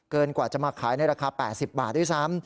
กว่าจะมาขายในราคา๘๐บาทด้วยซ้ำ